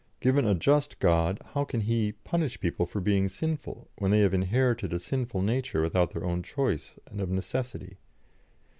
Given a just God, how can He punish people for being sinful, when they have inherited a sinful nature without their own choice and of necessity?